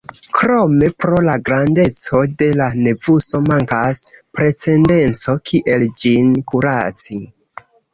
Krome, pro la grandeco de la nevuso, mankas precedenco kiel ĝin kuraci.